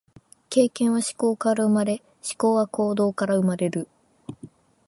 経験は思考から生まれ、思考は行動から生まれる。